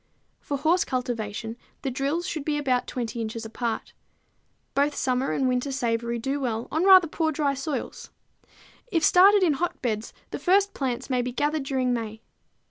For horse cultivation the drills should be 20 inches apart. Both summer and winter savory do well on rather poor dry soils. If started in hotbeds, the first plants may be gathered during May.